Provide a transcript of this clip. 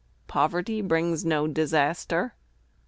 Poverty brings no disaster!